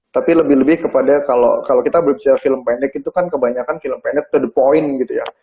tapi lebih lebih kepada kalau kita berbicara film pendek itu kan kebanyakan film pendek to the point gitu ya